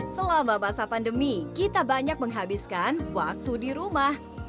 selama masa pandemi kita banyak menghabiskan waktu di rumah